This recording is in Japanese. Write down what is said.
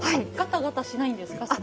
ガタガタしないんですか？